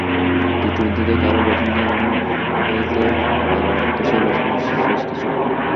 টি-টোয়েন্টিতে কারও ব্যাটিং নিয়ে এমন বলতে পারার অর্থ সেই ব্যাটসম্যান বিশেষ কিছু।